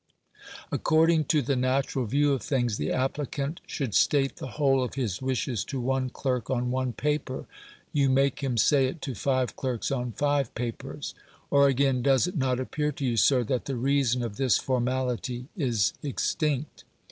According to the natural view of things, the applicant should state the whole of his wishes to one clerk on one paper; you make him say it to five clerks on five papers." Or, again, "Does it not appear to you, Sir, that the reason of this formality is extinct?